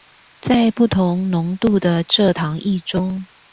在不同濃度的蔗糖液中